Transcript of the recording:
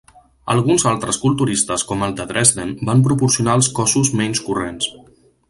Alguns altres culturistes com el de Dresden van proporcionar els cossos menys corrents.